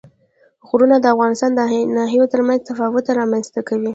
غرونه د افغانستان د ناحیو ترمنځ تفاوتونه رامنځ ته کوي.